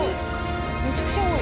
めちゃくちゃ多い。